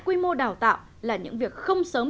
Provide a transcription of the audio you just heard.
quy mô đào tạo là những việc không sớm